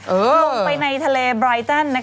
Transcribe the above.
ลงไปในทะเลบรายตัน